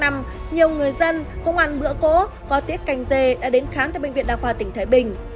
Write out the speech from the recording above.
nhiều người dân cũng ăn bữa cố có tiết canh dê đã đến khám tại bệnh viện đào khoa tp thái bình